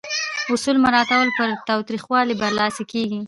اصول مراعاتول پر تاوتریخوالي برلاسي کیږي.